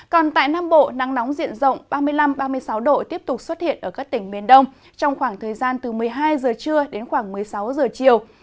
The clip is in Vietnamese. còn tại nam bộ nắng nóng diện rộng ba mươi năm ba mươi sáu độ tiếp tục xuất hiện ở các tỉnh miền đông trong khoảng thời gian từ một mươi hai giờ trưa đến khoảng một mươi sáu giờ chiều